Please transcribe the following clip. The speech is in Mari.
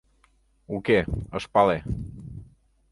Уке, ыш пале.